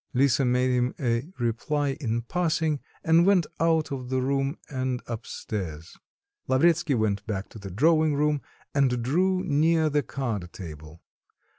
Lisa made him a reply in passing, and went out of the room and up stairs. Lavretsky went back to the drawing room and drew near the card table.